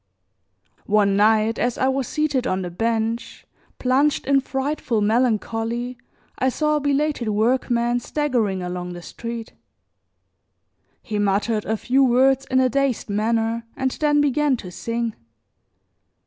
One night, as I was seated on the bench, plunged in frightful melancholy, I saw a belated workman staggering along the street. He muttered a few words in a dazed manner and then began to sing.